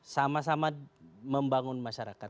sama sama membangun masyarakat